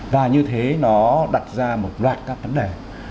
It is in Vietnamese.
và như thế nó đặt ra một loạt các vấn đề